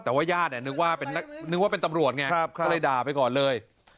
แต่ว่าญาตินึกว่าเป็นตำรวจไงก็เลยด่าไปก่อนเลย